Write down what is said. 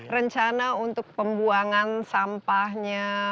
rencana untuk pembuangan sampahnya